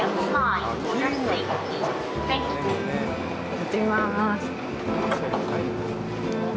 乗ってみまーす。